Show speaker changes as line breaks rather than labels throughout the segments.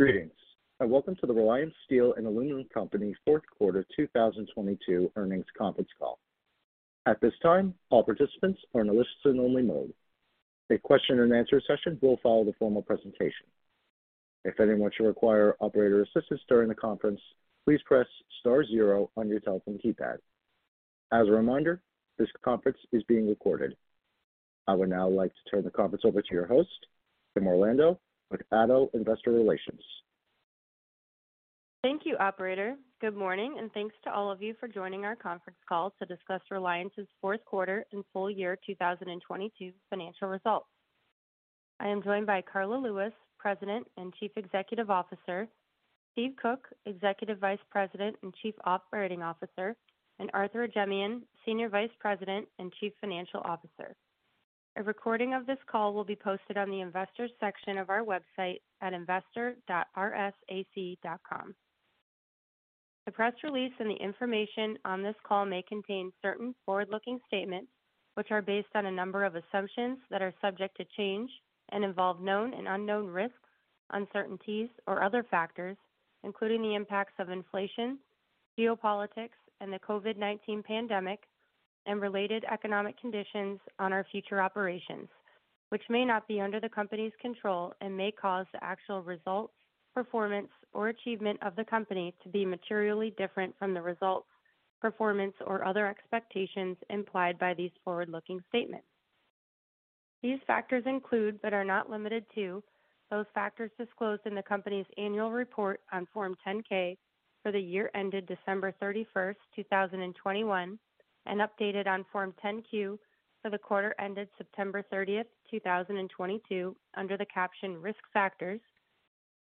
Greetings, and welcome to the Reliance Steel & Aluminum Company 4th quarter 2022 earnings conference call. At this time, all participants are in a listen only mode. A Q&A session will follow the formal presentation. If anyone should require operator assistance during the conference, please press star 0 on your telephone keypad. As a reminder, this conference is being recorded. I would now like to turn the conference over to your host, Kimberly Orlando with ADDO Investor Relations.
Thank you, operator. Good morning. Thanks to all of you for joining our conference call to discuss Reliance's fourth quarter and full year 2022 financial results. I am joined by Karla Lewis, President and Chief Executive Officer, Steve Koch, Executive Vice President and Chief Operating Officer, and Arthur Ajemyan, Senior Vice President and Chief Financial Officer. A recording of this call will be posted on the investors section of our website at investor.rsac.com. The press release and the information on this call may contain certain forward-looking statements, which are based on a number of assumptions that are subject to change and involve known and unknown risks, uncertainties, or other factors, including the impacts of inflation, geopolitics, and the COVID-19 pandemic and related economic conditions on our future operations, which may not be under the company's control and may cause the actual results, performance, or achievement of the company to be materially different from the results, performance, or other expectations implied by these forward-looking statements. These factors include, but are not limited to, those factors disclosed in the company's annual report on Form 10-K for the year ended December 31, 2021, and updated on Form 10-Q for the quarter ended September 30, 2022, under the caption Risk Factors,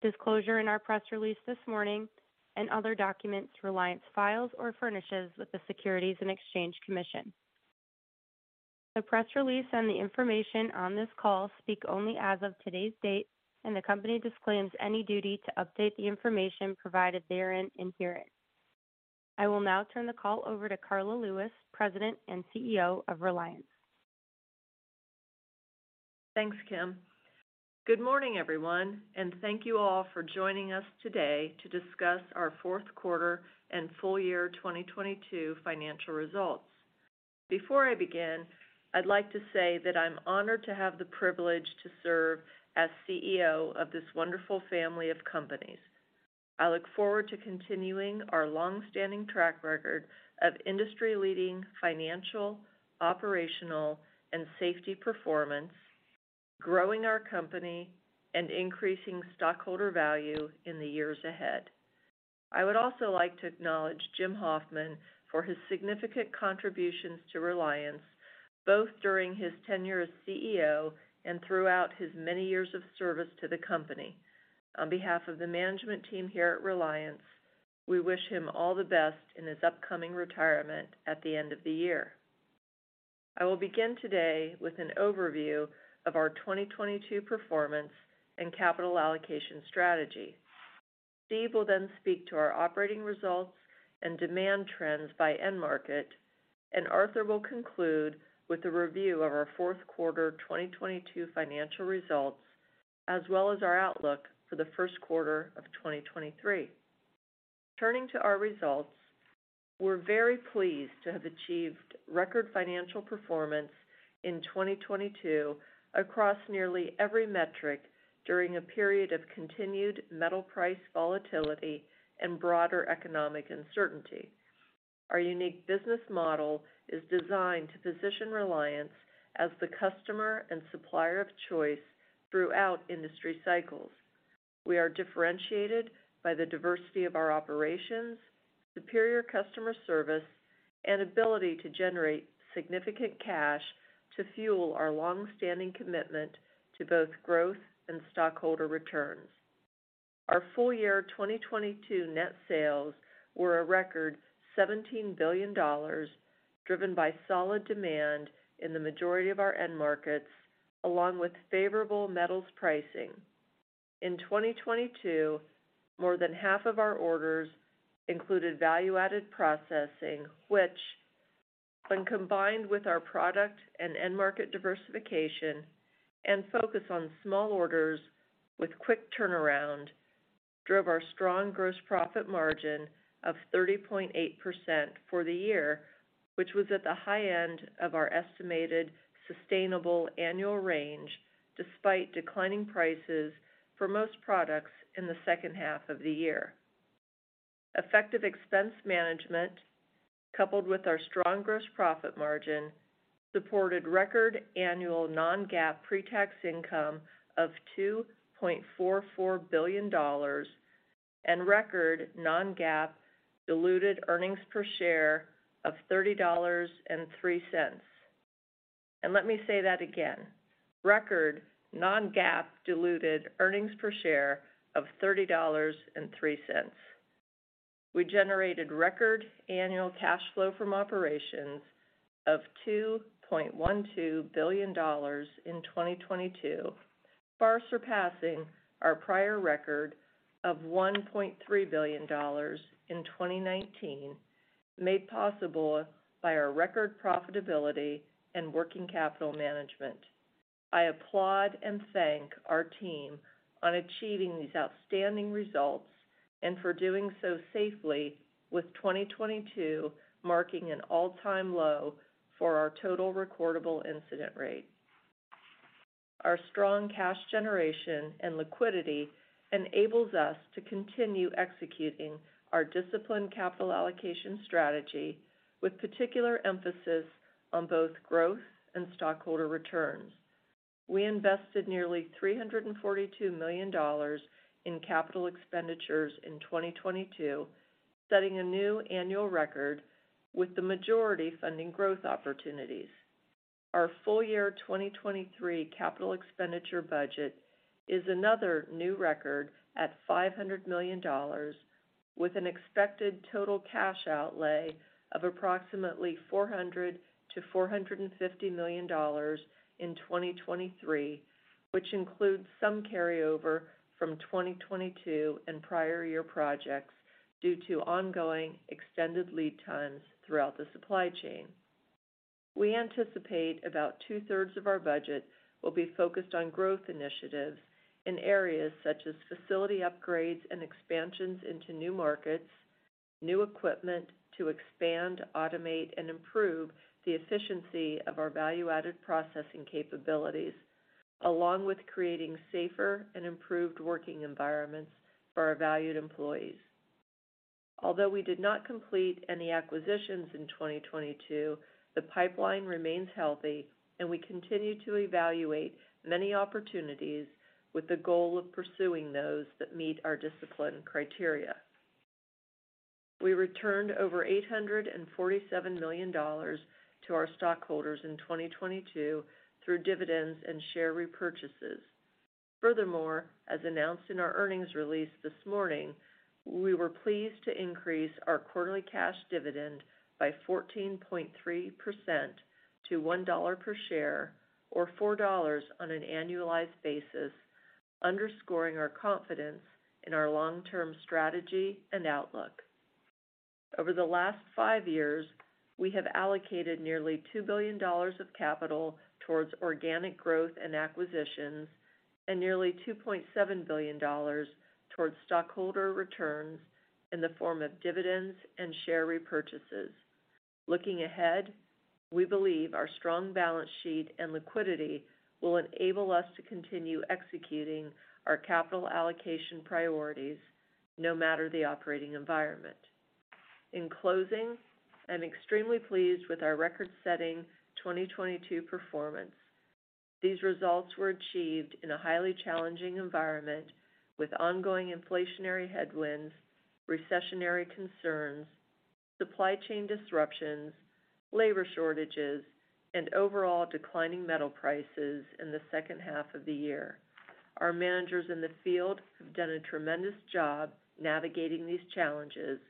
disclosure in our press release this morning, and other documents Reliance files or furnishes with the Securities and Exchange Commission. The press release and the information on this call speak only as of today's date, and the company disclaims any duty to update the information provided therein and herein. I will now turn the call over to Karla Lewis, President and CEO of Reliance.
Thanks, Kim. Good morning, everyone, thank you all for joining us today to discuss our fourth quarter and full year 2022 financial results. Before I begin, I'd like to say that I'm honored to have the privilege to serve as CEO of this wonderful family of companies. I look forward to continuing our long-standing track record of industry-leading financial, operational, and safety performance, growing our company, and increasing stockholder value in the years ahead. I would also like to acknowledge Jim Hoffman for his significant contributions to Reliance, both during his tenure as CEO and throughout his many years of service to the company. On behalf of the management team here at Reliance, we wish him all the best in his upcoming retirement at the end of the year. I will begin today with an overview of our 2022 performance and capital allocation strategy. Steve will then speak to our operating results and demand trends by end market, Arthur will conclude with a review of our fourth quarter 2022 financial results, as well as our outlook for the first quarter of 2023. Turning to our results, we're very pleased to have achieved record financial performance in 2022 across nearly every metric during a period of continued metal price volatility and broader economic uncertainty. Our unique business model is designed to position Reliance as the customer and supplier of choice throughout industry cycles. We are differentiated by the diversity of our operations, superior customer service, and ability to generate significant cash to fuel our long-standing commitment to both growth and stockholder returns. Our full year 2022 net sales were a record $17 billion, driven by solid demand in the majority of our end markets, along with favorable metals pricing. In 2022, more than half of our orders included value-added processing, which, when combined with our product and end market diversification and focus on small orders with quick turnaround, drove our strong gross profit margin of 30.8% for the year, which was at the high end of our estimated sustainable annual range despite declining prices for most products in the second half of the year. Effective expense management, coupled with our strong gross profit margin, supported record annual non-GAAP pre-tax income of $2.44 billion and record non-GAAP diluted earnings per share of $30.03. Let me say that again. Record non-GAAP diluted earnings per share of $30.03. We generated record annual cash flow from operations of $2.12 billion in 2022, far surpassing our prior record of $1.3 billion in 2019. Made possible by our record profitability and working capital management. I applaud and thank our team on achieving these outstanding results and for doing so safely with 2022 marking an all-time low for our total recordable incident rate. Our strong cash generation and liquidity enables us to continue executing our disciplined capital allocation strategy with particular emphasis on both growth and stockholder returns. We invested nearly $342 million in capital expenditures in 2022, setting a new annual record with the majority funding growth opportunities. Our full year 2023 capital expenditure budget is another new record at $500 million, with an expected total cash outlay of approximately $400 million-$450 million in 2023, which includes some carry over from 2022 and prior year projects due to ongoing extended lead times throughout the supply chain. We anticipate about two-thirds of our budget will be focused on growth initiatives in areas such as facility upgrades and expansions into new markets, new equipment to expand, automate, and improve the efficiency of our value-added processing capabilities, along with creating safer and improved working environments for our valued employees. Although we did not complete any acquisitions in 2022, the pipeline remains healthy and we continue to evaluate many opportunities with the goal of pursuing those that meet our discipline criteria. We returned over $847 million to our stockholders in 2022 through dividends and share repurchases. Furthermore, as announced in our earnings release this morning, we were pleased to increase our quarterly cash dividend by 14.3% to $1 per share, or $4 on an annualized basis, underscoring our confidence in our long-term strategy and outlook. Over the last five years, we have allocated nearly $2 billion of capital towards organic growth and acquisitions, and nearly $2.7 billion towards stockholder returns in the form of dividends and share repurchases. Looking ahead, we believe our strong balance sheet and liquidity will enable us to continue executing our capital allocation priorities no matter the operating environment. In closing, I'm extremely pleased with our record-setting 2022 performance. These results were achieved in a highly challenging environment with ongoing inflationary headwinds, recessionary concerns, supply chain disruptions, labor shortages, and overall declining metal prices in the second half of the year. Our managers in the field have done a tremendous job navigating these challenges,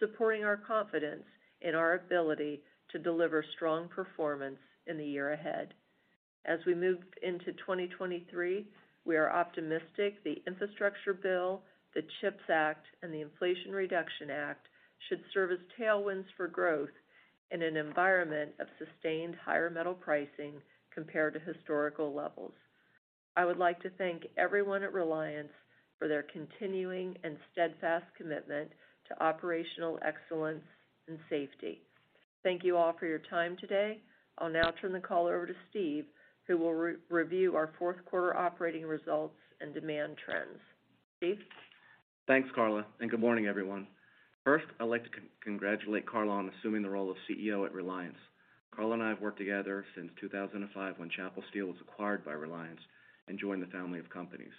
supporting our confidence in our ability to deliver strong performance in the year ahead. As we move into 2023, we are optimistic the Infrastructure Bill, the CHIPS Act, and the Inflation Reduction Act should serve as tailwinds for growth in an environment of sustained higher metal pricing compared to historical levels. I would like to thank everyone at Reliance for their continuing and steadfast commitment to operational excellence and safety. Thank you all for your time today. I'll now turn the call over to Steve, who will review our fourth quarter operating results and demand trends. Steve?
Thanks, Karla. Good morning, everyone. First, I'd like to congratulate Karla on assuming the role of CEO at Reliance. Karla and I have worked together since 2005 when Chapel Steel was acquired by Reliance and joined the family of companies.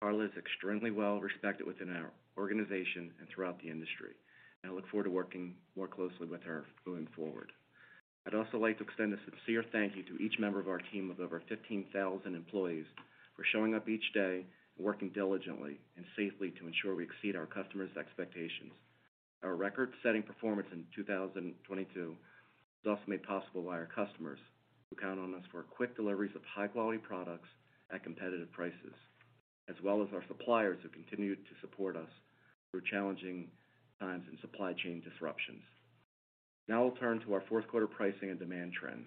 Karla is extremely well-respected within our organization and throughout the industry. I look forward to working more closely with her going forward. I'd also like to extend a sincere thank you to each member of our team of over 15,000 employees for showing up each day and working diligently and safely to ensure we exceed our customers' expectations. Our record-setting performance in 2022 was also made possible by our customers who count on us for quick deliveries of high-quality products at competitive prices, as well as our suppliers who continue to support us through challenging times and supply chain disruptions. I'll turn to our fourth quarter pricing and demand trends.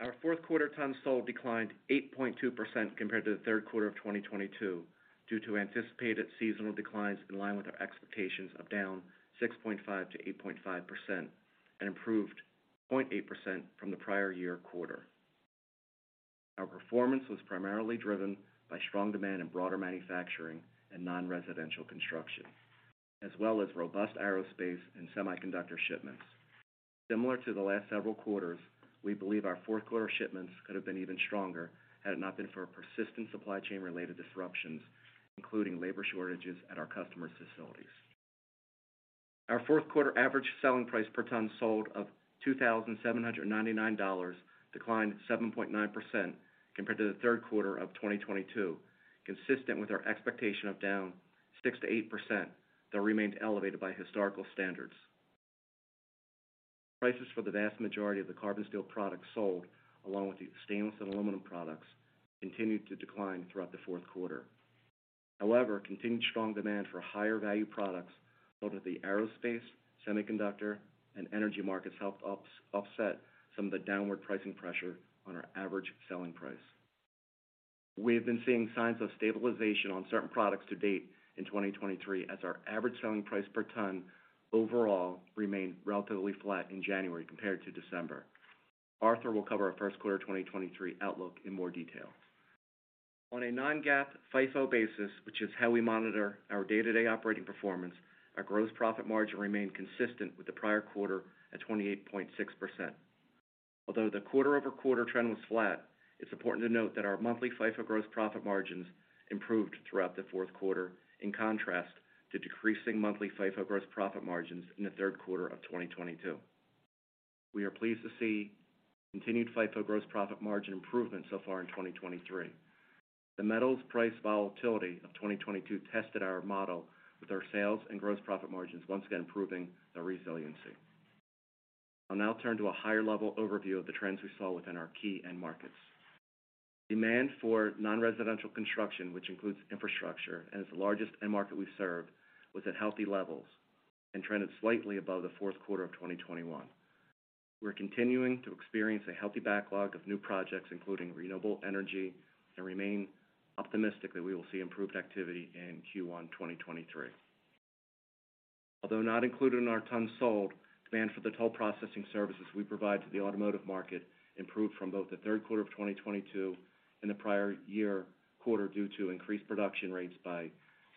Our fourth quarter tons sold declined 8.2% compared to the third quarter of 2022 due to anticipated seasonal declines in line with our expectations of down 6.5%-8.5%, and improved 0.8% from the prior year quarter. Our performance was primarily driven by strong demand in broader manufacturing and non-residential construction, as well as robust aerospace and semiconductor shipments. Similar to the last several quarters, we believe our fourth quarter shipments could have been even stronger had it not been for persistent supply chain-related disruptions, including labor shortages at our customers' facilities. Our fourth quarter average selling price per ton sold of $2,799 declined 7.9% compared to the third quarter of 2022, consistent with our expectation of down 6%-8%, though remained elevated by historical standards. Prices for the vast majority of the carbon steel products sold, along with the stainless and aluminum products, continued to decline throughout the fourth quarter. However, continued strong demand for higher value products out of the aerospace, semiconductor, and energy markets helped offset some of the downward pricing pressure on our average selling price. We have been seeing signs of stabilization on certain products to date in 2023 as our average selling price per ton overall remained relatively flat in January compared to December. Arthur will cover our first quarter 2023 outlook in more detail. On a non-GAAP FIFO basis, which is how we monitor our day-to-day operating performance, our gross profit margin remained consistent with the prior quarter at 28.6%. Although the quarter-over-quarter trend was flat, it's important to note that our monthly FIFO gross profit margins improved throughout the 4th quarter, in contrast to decreasing monthly FIFO gross profit margins in the 3rd quarter of 2022. We are pleased to see continued FIFO gross profit margin improvement so far in 2023. The metals price volatility of 2022 tested our model with our sales and gross profit margins once again improving the resiliency. I'll now turn to a higher-level overview of the trends we saw within our key end markets. Demand for non-residential construction, which includes infrastructure and is the largest end market we serve, was at healthy levels and trended slightly above the fourth quarter of 2021. We're continuing to experience a healthy backlog of new projects, including renewable energy, and remain optimistic that we will see improved activity in Q1 2023. Although not included in our tons sold, demand for the toll processing services we provide to the automotive market improved from both the third quarter of 2022 and the prior year quarter due to increased production rates by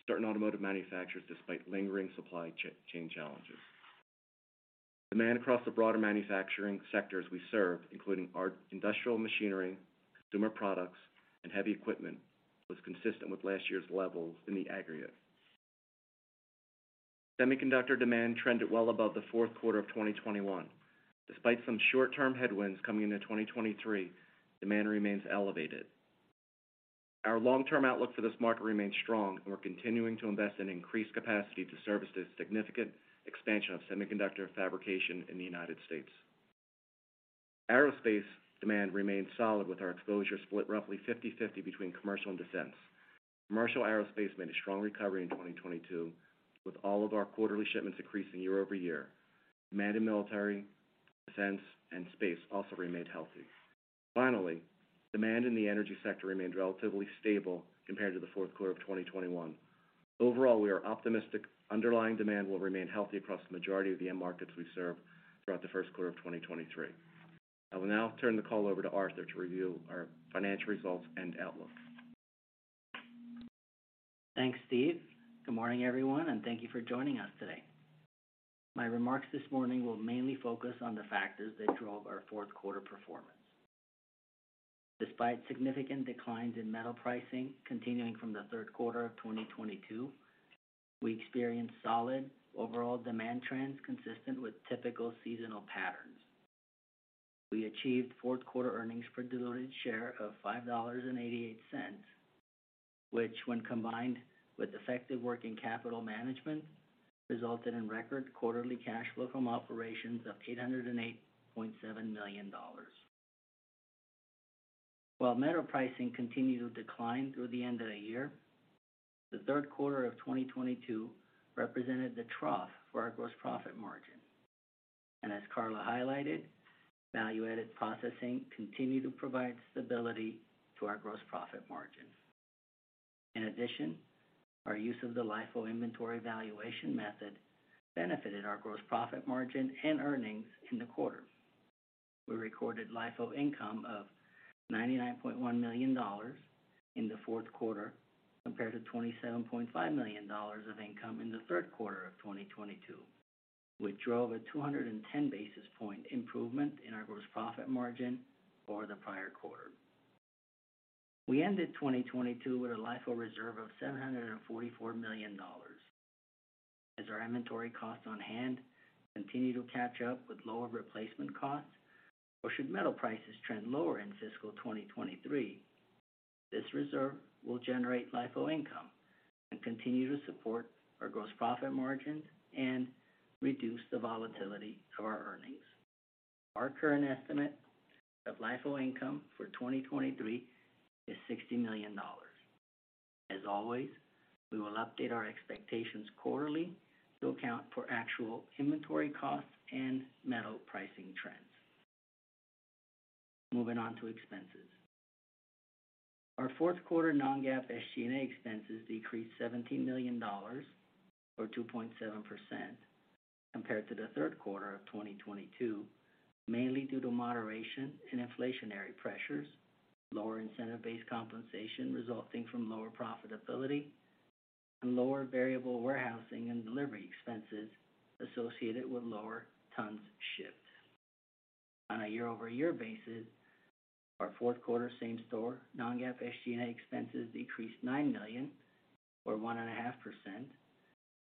certain automotive manufacturers despite lingering supply chain challenges. Demand across the broader manufacturing sectors we serve, including our industrial machinery, consumer products, and heavy equipment, was consistent with last year's levels in the aggregate. Semiconductor demand trended well above the fourth quarter of 2021. Despite some short-term headwinds coming into 2023, demand remains elevated. Our long-term outlook for this market remains strong, we're continuing to invest in increased capacity to service this significant expansion of semiconductor fabrication in the United States. Aerospace demand remains solid, with our exposure split roughly 50/50 between commercial and defense. Commercial aerospace made a strong recovery in 2022, with all of our quarterly shipments increasing year-over-year. Demand in military, defense, and space also remained healthy. Finally, demand in the energy sector remained relatively stable compared to the fourth quarter of 2021. Overall, we are optimistic underlying demand will remain healthy across the majority of the end markets we serve throughout the first quarter of 2023. I will now turn the call over to Arthur to review our financial results and outlook.
Thanks, Steve. Good morning, everyone, and thank you for joining us today. My remarks this morning will mainly focus on the factors that drove our fourth quarter performance. Despite significant declines in metal pricing continuing from the third quarter of 2022, we experienced solid overall demand trends consistent with typical seasonal patterns. We achieved fourth quarter earnings per diluted share of $5.88, which when combined with effective working capital management, resulted in record quarterly cash flow from operations of $808.7 million. While metal pricing continued to decline through the end of the year, the third quarter of 2022 represented the trough for our gross profit margin. As Karla highlighted, value-added processing continued to provide stability to our gross profit margin. In addition, our use of the LIFO inventory valuation method benefited our gross profit margin and earnings in the quarter. We recorded LIFO income of $99.1 million in the fourth quarter compared to $27.5 million of income in the third quarter of 2022, which drove a 210 basis point improvement in our gross profit margin over the prior quarter. We ended 2022 with a LIFO reserve of $744 million. As our inventory costs on hand continue to catch up with lower replacement costs, or should metal prices trend lower in fiscal 2023, this reserve will generate LIFO income and continue to support our gross profit margin and reduce the volatility of our earnings. Our current estimate of LIFO income for 2023 is $60 million. We will update our expectations quarterly to account for actual inventory costs and metal pricing trends. Moving on to expenses. Our fourth quarter non-GAAP SG&A expenses decreased $17 million, or 2.7%, compared to the third quarter of 2022, mainly due to moderation in inflationary pressures, lower incentive-based compensation resulting from lower profitability, and lower variable warehousing and delivery expenses associated with lower tons shipped. On a year-over-year basis, our fourth quarter same-store non-GAAP SG&A expenses decreased $9 million or 1.5%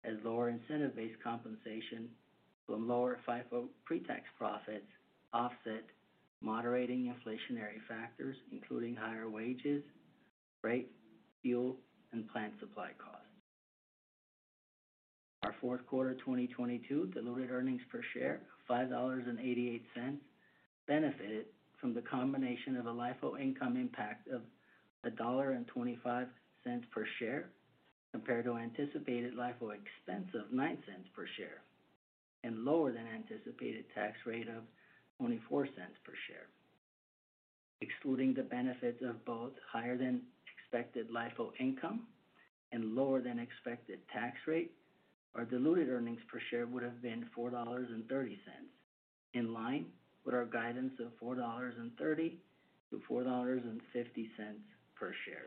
as lower incentive-based compensation from lower FIFO pre-tax profits offset moderating inflationary factors including higher wages, freight, fuel, and plant supply costs. Our fourth quarter 2022 diluted earnings per share, $5.88, benefited from the combination of a LIFO income impact of $1.25 per share compared to anticipated LIFO expense of $0.09 per share, and lower than anticipated tax rate of $0.24 per share. Excluding the benefits of both higher than expected LIFO income and lower than expected tax rate, our diluted earnings per share would have been $4.30, in line with our guidance of $4.30-$4.50 per share.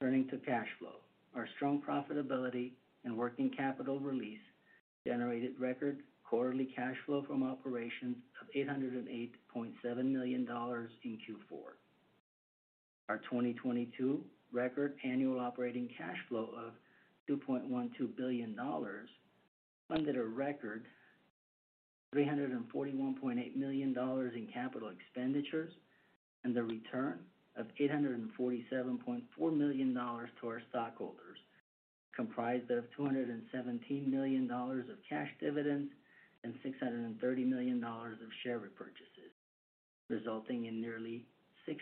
Turning to cash flow. Our strong profitability and working capital release generated record quarterly cash flow from operations of $808.7 million in Q4. Our 2022 record annual operating cash flow of $2.12 billion funded a record $341.8 million in capital expenditures and the return of $847.4 million to our stockholders, comprised of $217 million of cash dividends and $630 million of share repurchases, resulting in nearly 6%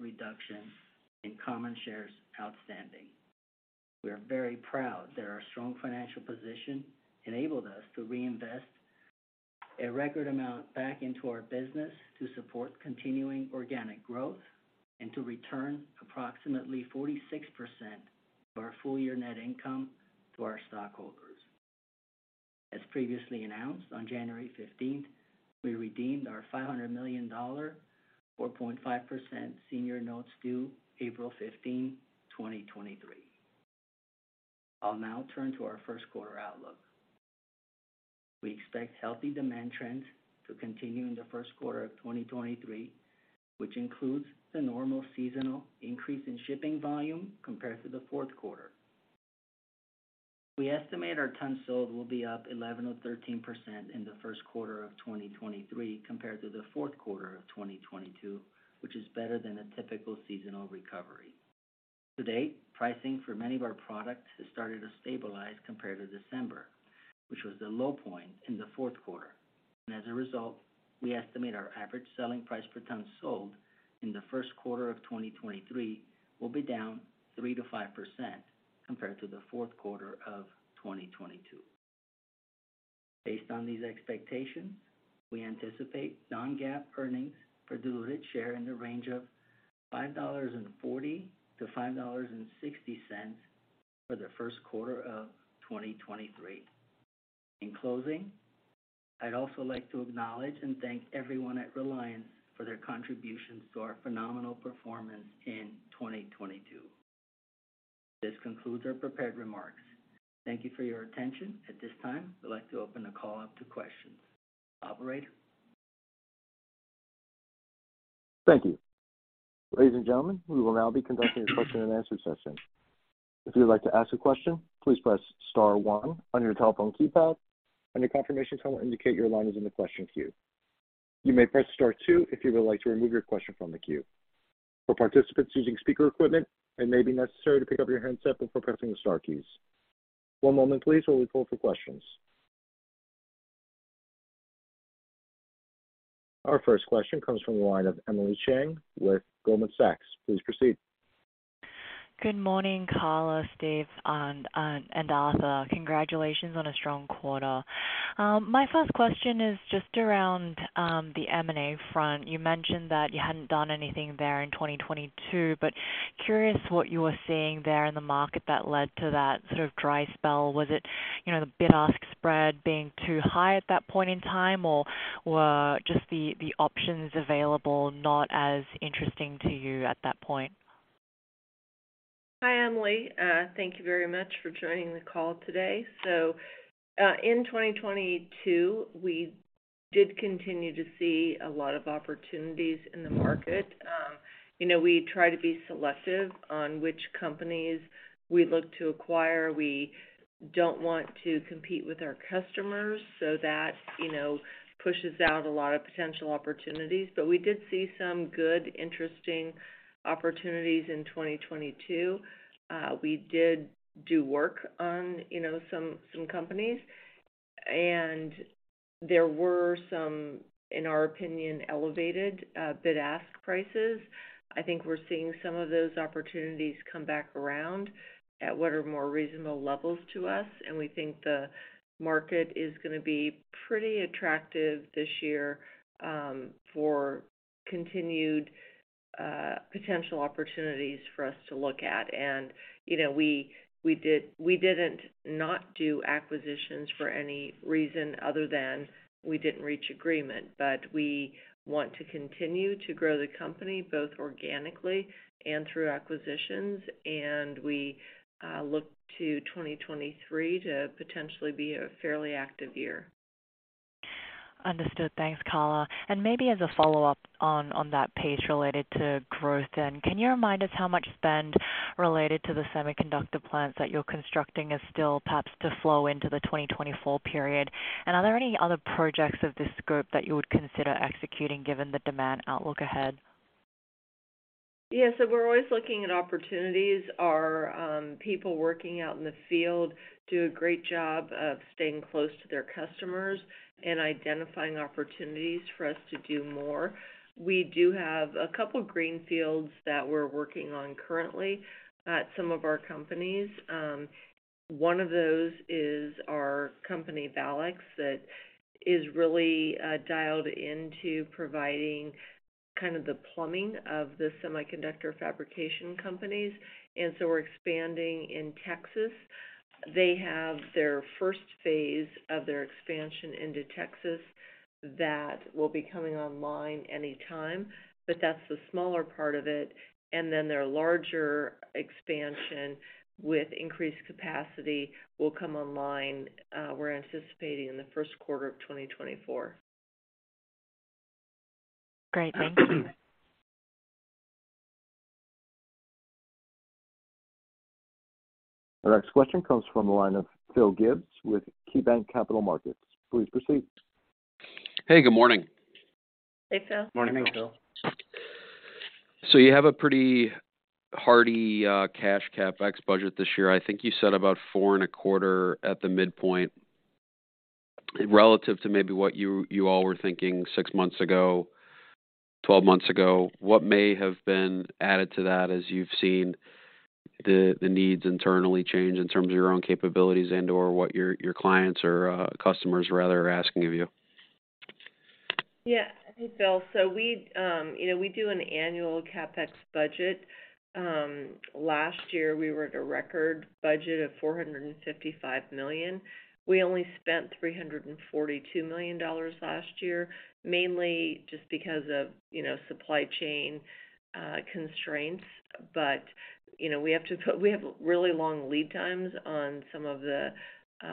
reduction in common shares outstanding. We are very proud that our strong financial position enabled us to reinvest a record amount back into our business to support continuing organic growth and to return approximately 46% of our full-year net income to our stockholders. As previously announced on January 15th, we redeemed our $500 million, 4.5% senior notes due April 15th, 2023. I'll now turn to our first quarter outlook. We expect healthy demand trends to continue in the first quarter of 2023, which includes the normal seasonal increase in shipping volume compared to the fourth quarter. We estimate our tons sold will be up 11%-13% in the first quarter of 2023 compared to the fourth quarter of 2022, which is better than a typical seasonal recovery. To date, pricing for many of our products has started to stabilize compared to December, which was the low point in the fourth quarter. As a result, we estimate our average selling price per ton sold in the first quarter of 2023 will be down 3%-5% compared to the fourth quarter of 2022. Based on these expectations, we anticipate non-GAAP earnings per diluted share in the range of $5.40-$5.60 for the first quarter of 2023. In closing, I'd also like to acknowledge and thank everyone at Reliance for their contributions to our phenomenal performance in 2022. This concludes our prepared remarks. Thank you for your attention. At this time, we'd like to open the call up to questions. Operator?
Thank you. Ladies and gentlemen, we will now be conducting a question and answer session. If you would like to ask a question, please press star one on your telephone keypad, and a confirmation tone will indicate your line is in the question queue. You may press star two if you would like to remove your question from the queue. For participants using speaker equipment, it may be necessary to pick up your handset before pressing the star keys. One moment please while we pull for questions. Our first question comes from the line of Emily Chieng with Goldman Sachs. Please proceed.
Good morning, Karla, Steve Koch, and Arthur Ajemyan. Congratulations on a strong quarter. My first question is just around the M&A front. You mentioned that you hadn't done anything there in 2022, but curious what you were seeing there in the market that led to that sort of dry spell. Was it, you know, the bid-ask spread being too high at that point in time, or were just the options available not as interesting to you at that point?
Hi, Emily. Thank you very much for joining the call today. In 2022, we did continue to see a lot of opportunities in the market. You know, we try to be selective on which companies we look to acquire. We don't want to compete with our customers, so that, you know, pushes out a lot of potential opportunities. We did see some good, interesting opportunities in 2022. We did do work on, you know, some companies, and there were some, in our opinion, elevated bid-ask prices. I think we're seeing some of those opportunities come back around at what are more reasonable levels to us, and we think the market is gonna be pretty attractive this year, for continued, potential opportunities for us to look at. You know, we didn't not do acquisitions for any reason other than we didn't reach agreement. We want to continue to grow the company both organically and through acquisitions, and we look to 2023 to potentially be a fairly active year.
Understood. Thanks, Karla. Maybe as a follow-up on that pace related to growth, then. Can you remind us how much spend related to the semiconductor plants that you're constructing is still perhaps to flow into the 2024 period? Are there any other projects of this group that you would consider executing given the demand outlook ahead?
We're always looking at opportunities. Our people working out in the field do a great job of staying close to their customers and identifying opportunities for us to do more. We do have a couple greenfields that we're working on currently at some of our companies. One of those is our company, Valex, that is really dialed into providing kind of the plumbing of the semiconductor fabrication companies. We're expanding in Texas. They have their first phase of their expansion into Texas that will be coming online any time, but that's the smaller part of it. Their larger expansion with increased capacity will come online, we're anticipating in the first quarter of 2024.
The next question comes from the line of Philip Gibbs with KeyBanc Capital Markets. Please proceed.
Hey, good morning.
Hey, Phil.
Morning, Phil.
You have a pretty hardy cash CapEx budget this year. I think you said about four and a quarter at the midpoint. Relative to maybe what you all were thinking six months ago, 12 months ago, what may have been added to that as you've seen the needs internally change in terms of your own capabilities and/or what your clients or customers rather are asking of you?
Yeah. Hey, Philip. We do an annual CapEx budget. Last year, we were at a record budget of $455 million. We only spent $342 million last year, mainly just because of supply chain constraints. We have really long lead times on some of the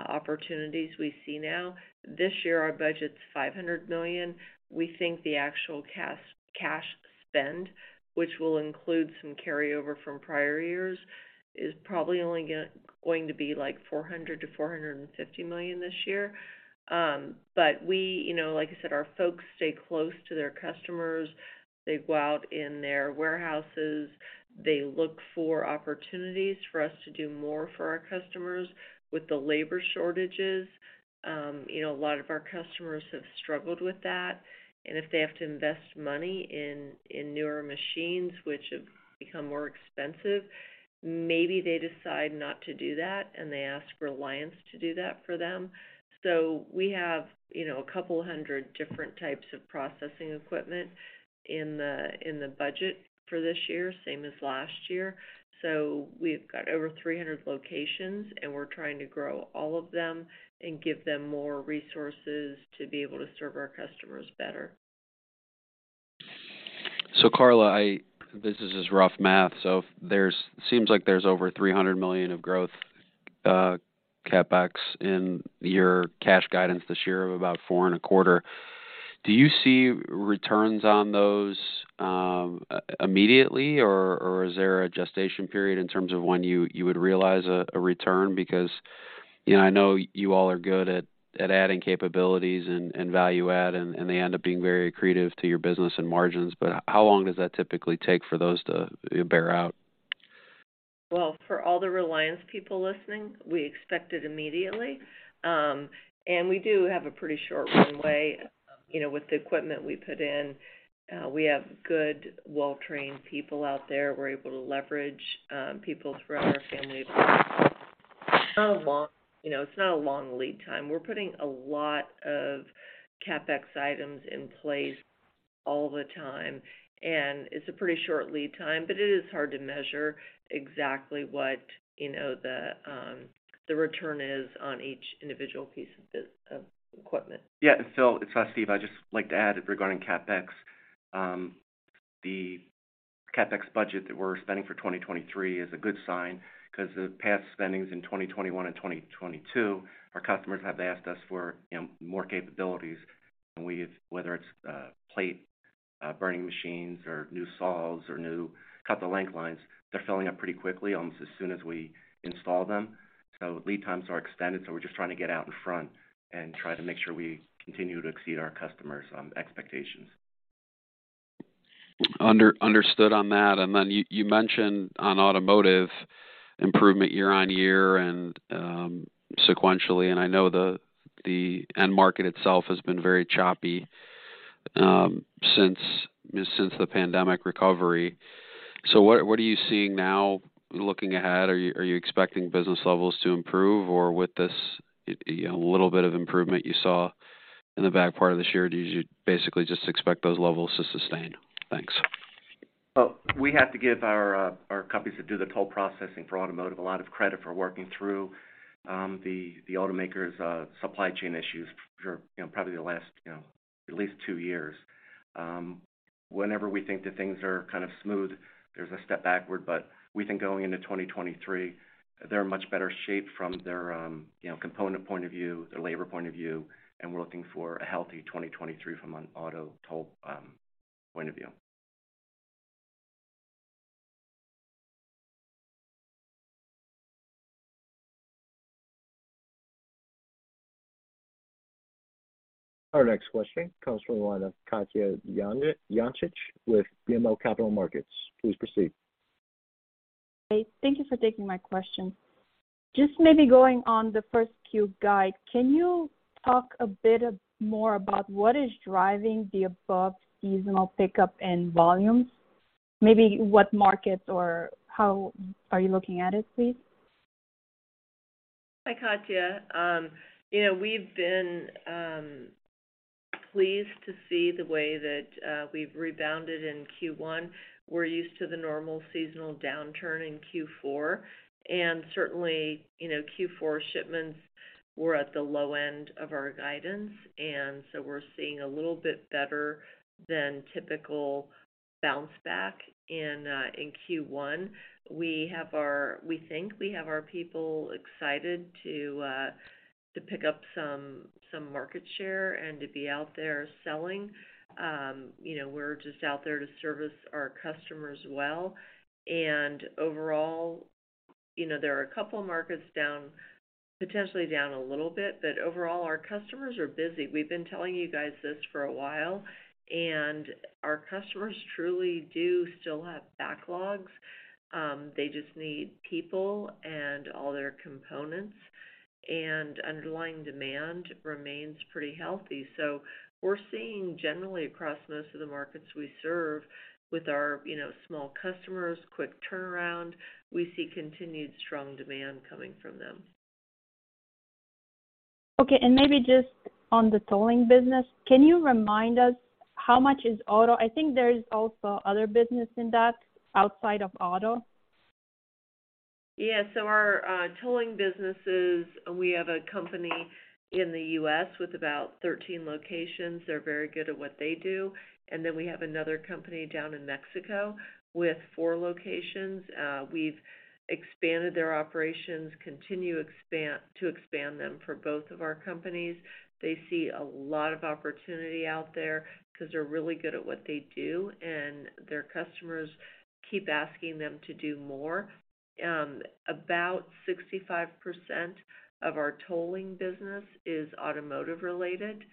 opportunities we see now. This year, our budget's $500 million. We think the actual cash spend, which will include some carryover from prior years, is probably only going to be, like, $400 million-$450 million this year. We like I said, our folks stay close to their customers. They go out in their warehouses. They look for opportunities for us to do more for our customers. With the labor shortages a lot of our customers have struggled with that. If they have to invest money in newer machines, which have become more expensive, maybe they decide not to do that, and they ask Reliance to do that for them. We have a couple hundred different types of processing equipment in the, in the budget for this year, same as last year. We've got over 300 locations, and we're trying to grow all of them and give them more resources to be able to serve our customers better.
Karla, this is just rough math, seems like there's over $300 million of growth CapEx in your cash guidance this year of about $4.25. Do you see returns on those immediately, or is there a gestation period in terms of when you would realize a return? Because I know you all are good at adding capabilities and value add, and they end up being very accretive to your business and margins, but how long does that typically take for those to bear out?
Well, for all the Reliance people listening, we expect it immediately. We do have a pretty short runway, you know, with the equipment we put in. We have good, well-trained people out there. We're able to leverage people throughout our family. I's not a long lead time. We're putting a lot of CapEx items in place all the time, and it's a pretty short lead time, but it is hard to measure exactly what the return is on each individual piece of this, of equipment.
Yeah. Phil, it's Steve. I'd just like to add regarding CapEx, the CapEx budget that we're spending for 2023 is a good sign 'cause the past spendings in 2021 and 2022, our customers have asked us for, you know, more capabilities, whether it's plate burning machines or new saws or new cut-to-length lines, they're filling up pretty quickly, almost as soon as we install them. Lead times are extended, so we're just trying to get out in front and try to make sure we continue to exceed our customers' expectations.
Understood on that. Then you mentioned on automotive improvement year-on-year and sequentially, I know the end market itself has been very choppy since the pandemic recovery. What are you seeing now looking ahead? Are you expecting business levels to improve? With this little bit of improvement you saw in the back part of this year, do you just basically expect those levels to sustain? Thanks.
We have to give our companies that do the toll processing for automotive a lot of credit for working through the automakers' supply chain issues for, you know, probably the last, you know, at least 2 years. Whenever we think that things are kind of smooth, there's a step backward. We think going into 2023, they're in much better shape from their, component point of view, their labor point of view, and we're looking for a healthy 2023 from an auto toll point of view.
Our next question comes from the line of Katja Jancic with BMO Capital Markets. Please proceed.
Hey, thank you for taking my question. Just maybe going on the first Q guide, can you talk a bit more about what is driving the above seasonal pickup in volumes? Maybe what markets or how are you looking at it, please?
Hi, Katja. We've been pleased to see the way that we've rebounded in Q1. We're used to the normal seasonal downturn in Q4, certainly Q4 shipments were at the low end of our guidance, we're seeing a little bit better than typical bounce back in Q1. We think we have our people excited to pick up some market share and to be out there selling. We're just out there to service our customers well. Overall, there are a couple of markets potentially down a little bit, but overall, our customers are busy. We've been telling you guys this for a while, our customers truly do still have backlogs. They just need people and all their components, underlying demand remains pretty healthy. We're seeing generally across most of the markets we serve with our, you know, small customers, quick turnaround, we see continued strong demand coming from them.
Okay. Maybe just on the tolling business, can you remind us how much is auto? I think there is also other business in that outside of auto.
Yeah. Our tolling businesses, we have a company in the U.S. with about 13 locations. They're very good at what they do. We have another company down in Mexico with 4 locations. We've expanded their operations, continue to expand them for both of our companies. They see a lot of opportunity out there because they're really good at what they do, and their customers keep asking them to do more. About 65% of our tolling business is automotive related.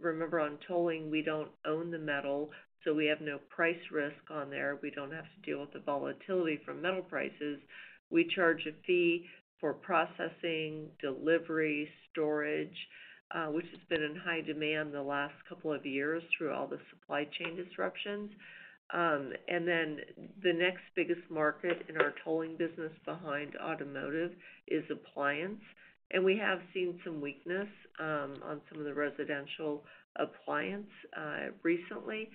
Remember, on tolling, we don't own the metal, so we have no price risk on there. We don't have to deal with the volatility from metal prices. We charge a fee for processing, delivery, storage, which has been in high demand the last couple of years through all the supply chain disruptions. Then the next biggest market in our tolling business behind automotive is appliance. We have seen some weakness on some of the residential appliance recently,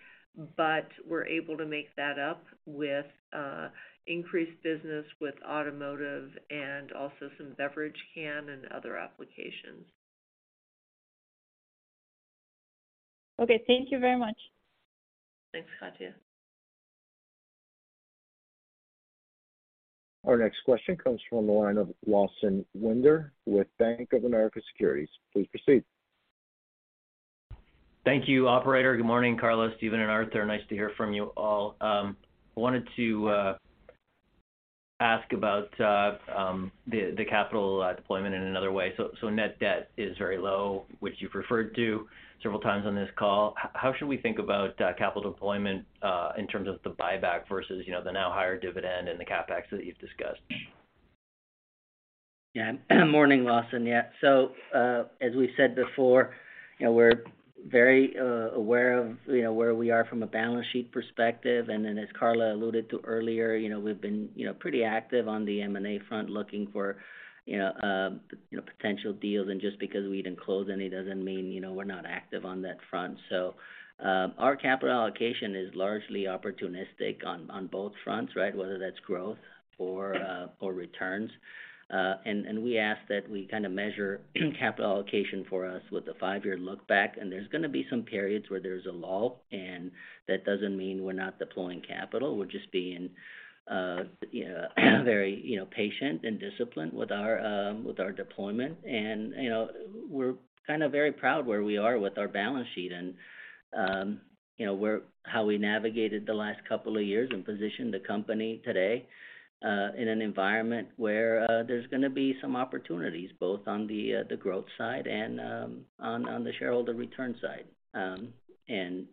but we're able to make that up with increased business with automotive and also some beverage can and other applications.
Okay. Thank you very much.
Thanks, Katja.
Our next question comes from the line of Lawson Winder with Bank of America Securities. Please proceed.
Thank you, operator. Good morning, Karla, Steve, and Arthur. Nice to hear from you all. I wanted to ask about the capital deployment in another way. Net debt is very low, which you've referred to several times on this call. How should we think about capital deployment in terms of the buyback versus, you know, the now higher dividend and the CapEx that you've discussed?
Yeah. Morning, Lawson. Yeah. As we said before, you know, we're very aware of where we are from a balance sheet perspective. As Karla alluded to earlier, you know, we've been pretty active on the M&A front, looking for potential deals. Just because we didn't close any doesn't mean we're not active on that front. Our capital allocation is largely opportunistic on both fronts, right? Whether that's growth or returns. And we ask that we kinda measure capital allocation for us with a five-year look back. There's gonna be some periods where there's a lull, and that doesn't mean we're not deploying capital. We're just being, you know, very, you know, patient and disciplined with our deployment. we're kinda very proud where we are with our balance sheet and how we navigated the last couple of years and positioned the company today in an environment where there's gonna be some opportunities both on the growth side and on the shareholder return side and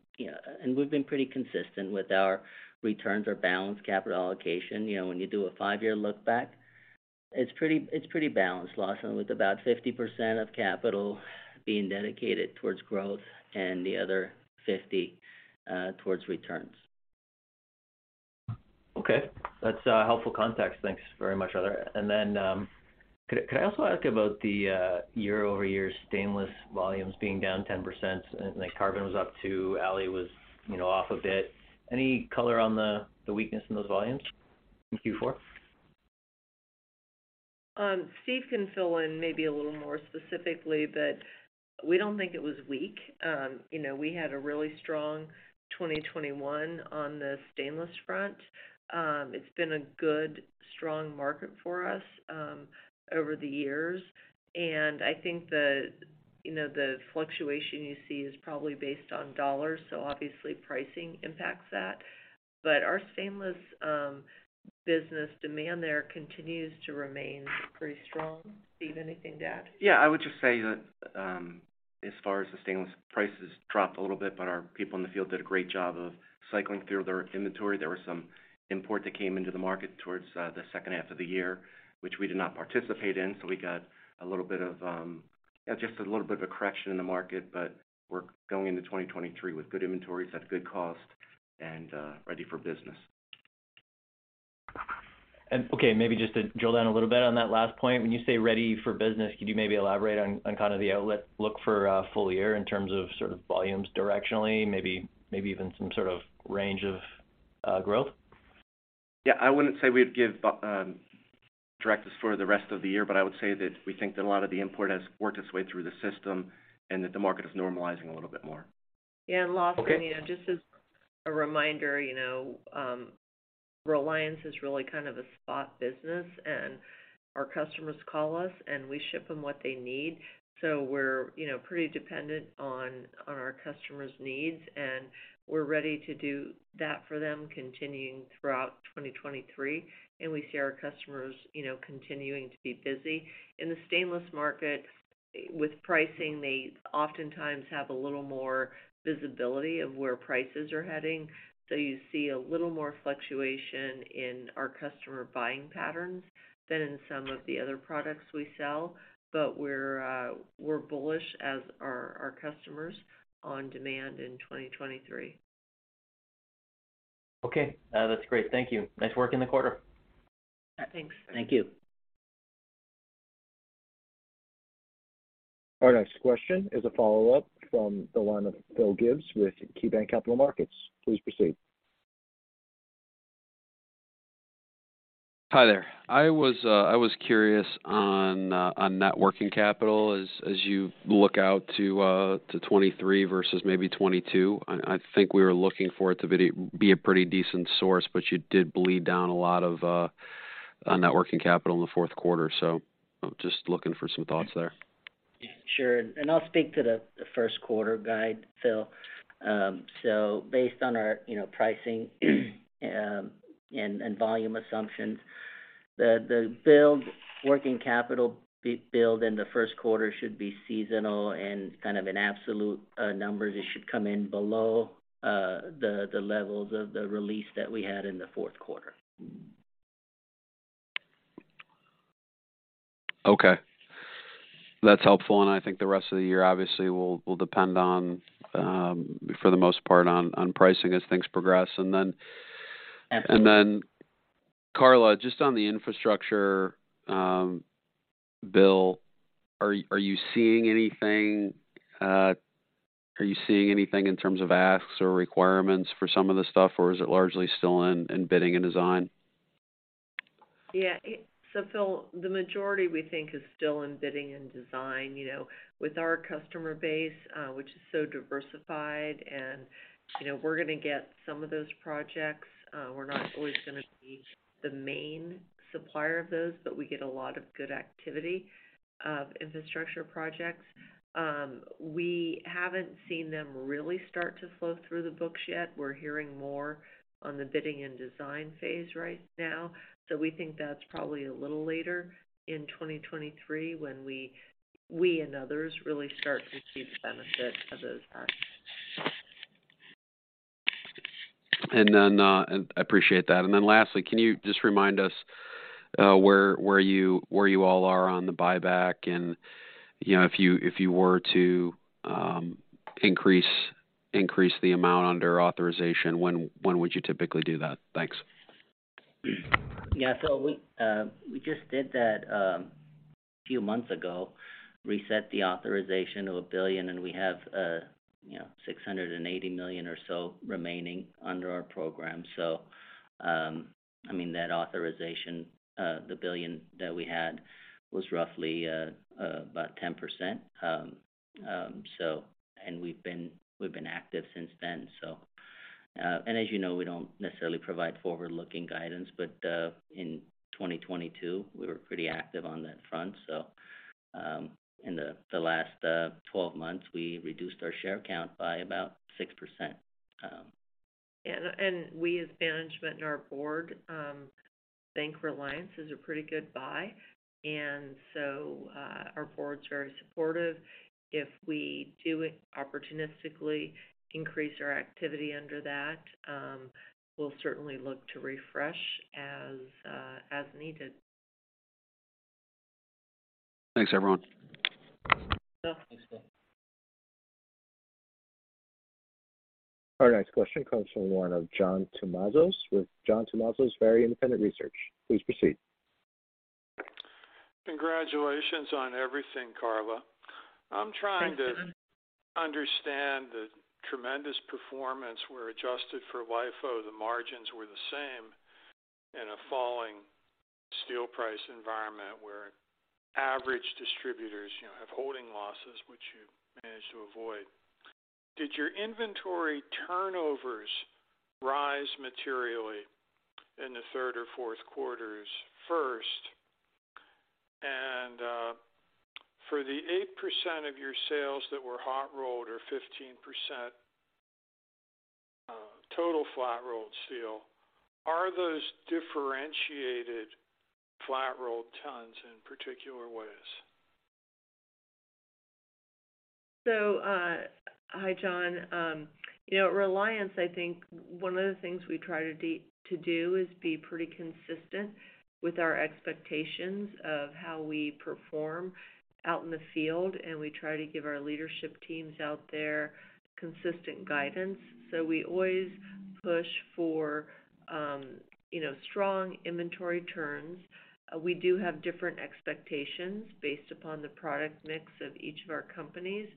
we've been pretty consistent with our returns or balanced capital allocation. You know, when you do a five-year look back, it's pretty balanced, Lawson, with about 50% of capital being dedicated towards growth and the other 50 towards returns.
Okay. That's helpful context. Thanks very much, Arthur. Could I also ask about the year-over-year stainless volumes being down 10%, and like carbon was up too. Ali was, you know, off a bit. Any color on the weakness in those volumes in Q4?
Steve can fill in maybe a little more specifically, but we don't think it was weak. We had a really strong 2021 on the stainless front. It's been a good, strong market for us over the years, and I think the, you know, the fluctuation you see is probably based on $, so obviously pricing impacts that. Our stainless business demand there continues to remain pretty strong. Steve, anything to add?
Yeah, I would just say that, as far as the stainless prices dropped a little bit, our people in the field did a great job of cycling through their inventory. There was some import that came into the market towards the second half of the year, which we did not participate in. We got a little bit of just a little bit of a correction in the market. We're going into 2023 with good inventories at good cost and ready for business.
Okay, maybe just to drill down a little bit on that last point. When you say ready for business, could you maybe elaborate on kind of the outlook for full year in terms of sort of volumes directionally, maybe even some sort of range of growth?
I wouldn't say we'd give direct as for the rest of the year. I would say that we think that a lot of the import has worked its way through the system and that the market is normalizing a little bit more.
Yeah.
Okay.
Just as a reminder, you know, Reliance is really kind of a spot business, and our customers call us, and we ship them what they need. We're pretty dependent on our customers' needs, and we're ready to do that for them continuing throughout 2023. We see our customers continuing to be busy. In the stainless market with pricing, they oftentimes have a little more visibility of where prices are heading. You see a little more fluctuation in our customer buying patterns than in some of the other products we sell. We're, we're bullish as are our customers on demand in 2023.
Okay. That's great. Thank you. Nice work in the quarter.
Thanks.
Thank you.
Our next question is a follow-up from the line of Philip Gibbs with KeyBanc Capital Markets. Please proceed.
Hi there. I was curious on net working capital as you look out to 2023 versus maybe 2022. I think we were looking for it to be a pretty decent source, but you did bleed down a lot of net working capital in the fourth quarter. Just looking for some thoughts there.
Sure. I'll speak to the first quarter guide, Phil. Based on our, you know, pricing, and volume assumptions, the build working capital build in the first quarter should be seasonal and kind of an absolute numbers. It should come in below the levels of the release that we had in the fourth quarter.
Okay. That's helpful. I think the rest of the year, obviously, will depend on, for the most part on pricing as things progress.
Absolutely.
Karla, just on the Infrastructure bill, are you seeing anything, are you seeing anything in terms of asks or requirements for some of the stuff, or is it largely still in bidding and design?
Yeah. Phil, the majority we think is still in bidding and design with our customer base, which is so diversified and, you know, we're gonna get some of those projects, we're not always gonna be the main supplier of those, but we get a lot of good activity of infrastructure projects. We haven't seen them really start to flow through the books yet. We're hearing more on the bidding and design phase right now. We think that's probably a little later in 2023 when we and others really start to see the benefit of those asks.
I appreciate that. Lastly, can you just remind us, where you all are on the buyback and, you know, if you were to increase the amount under authorization, when would you typically do that? Thanks.
Yeah. We just did that a few months ago, reset the authorization of $1 billion, and we have, you know, $680 million or so remaining under our program. I mean, that authorization, the $1 billion that we had was roughly about 10%. We've been active since then. And as you know, we don't necessarily provide forward-looking guidance, but in 2022, we were pretty active on that front. In the last 12 months, we reduced our share count by about 6%.
Yeah. We as management and our board think Reliance is a pretty good buy. Our board's very supportive. If we do opportunistically increase our activity under that, we'll certainly look to refresh as needed.
Thanks, everyone.
Yeah. Thanks, Phil.
Our next question comes from the line of John Tumazos with John Tumazos Very Independent Research. Please proceed.
Congratulations on everything, Karla.
Thank you.
I'm trying to understand the tremendous performance, where adjusted for LIFO, the margins were the same in a falling steel price environment where average distributors, you know, have holding losses, which you managed to avoid. Did your inventory turnovers rise materially in the third or fourth quarters first? For the 8% of your sales that were hot rolled or 15% total flat-rolled steel, are those differentiated flat-rolled tons in particular ways?
Hi, John, at Reliance, I think one of the things we try to do is be pretty consistent with our expectations of how we perform out in the field, and we try to give our leadership teams out there consistent guidance. We always push for, you know, strong inventory turns. We do have different expectations based upon the product mix of each of our companies.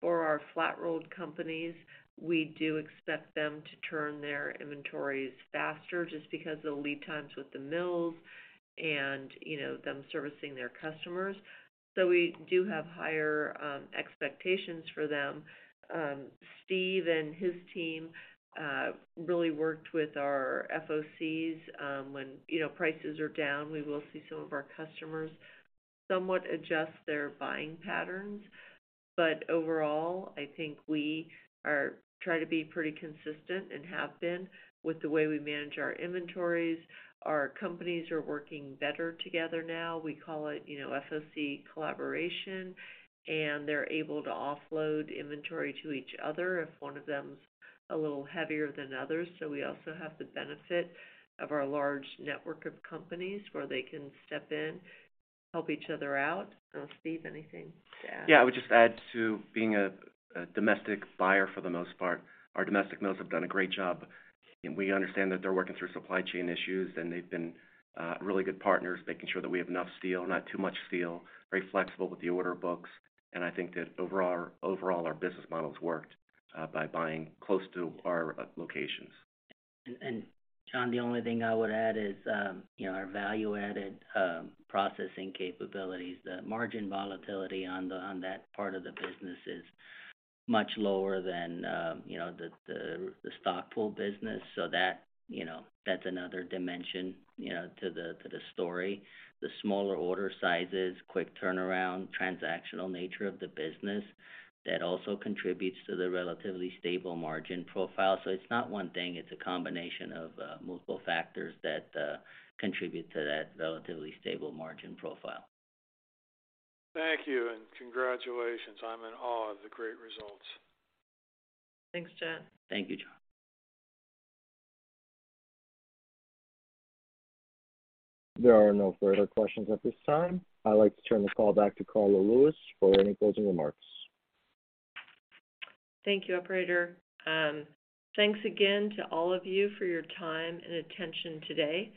For our flat-rolled companies, we do expect them to turn their inventories faster just because the lead times with the mills and, you know, them servicing their customers. We do have higher expectations for them. Steve and his team really worked with our FOCs. When, you know, prices are down, we will see some of our customers somewhat adjust their buying patterns. Overall, I think we try to be pretty consistent, and have been, with the way we manage our inventories. Our companies are working better together now. We call it, you know, FOC collaboration. They're able to offload inventory to each other if one of them's a little heavier than others. We also have the benefit of our large network of companies, where they can step in, help each other out. I don't know, Steve, anything to add?
Yeah. I would just add to being a domestic buyer for the most part, our domestic mills have done a great job. We understand that they're working through supply chain issues, and they've been really good partners, making sure that we have enough steel, not too much steel. Very flexible with the order books. I think that overall, our business model's worked by buying close to our locations.
John, the only thing I would add is, you know, our value-added processing capabilities. The margin volatility on that part of the business is much lower than, you know, the stock pool business. That, you know, that's another dimension, you know, to the story. The smaller order sizes, quick turnaround, transactional nature of the business, that also contributes to the relatively stable margin profile. It's not one thing, it's a combination of multiple factors that contribute to that relatively stable margin profile.
Thank you. Congratulations. I'm in awe of the great results.
Thanks, John.
Thank you, John.
There are no further questions at this time. I'd like to turn the call back to Karla Lewis for any closing remarks.
Thank you, operator. Thanks again to all of you for your time and attention today.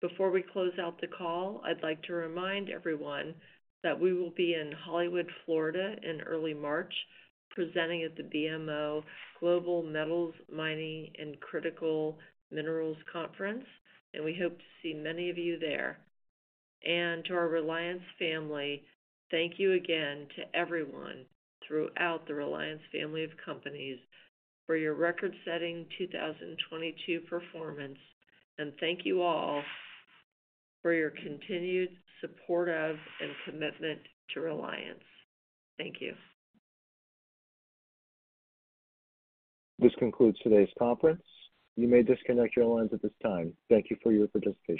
Before we close out the call, I'd like to remind everyone that we will be in Hollywood, Florida in early March, presenting at the BMO Global Metals, Mining & Critical Minerals Conference. We hope to see many of you there. To our Reliance family, thank you again to everyone throughout the Reliance family of companies for your record-setting 2022 performance, and thank you all for your continued support of and commitment to Reliance. Thank you.
This concludes today's conference. You may disconnect your lines at this time. Thank you for your participation.